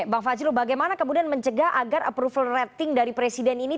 bang fajrul bagaimana kemudian mencegah agar approval rating dari presiden ini